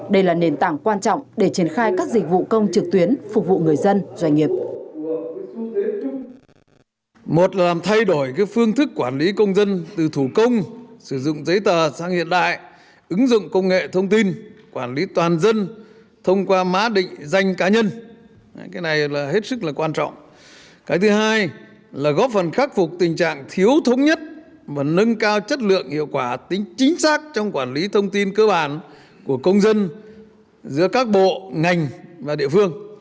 đây là nền tảng quan trọng để triển khai các dịch vụ công trực tuyến phục vụ người dân doanh nghiệp